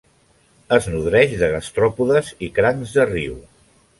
Es nodreix de gastròpodes i crancs de riu.